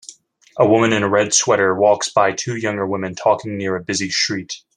A woman in a red sweater walks by two younger women talking near a busy street.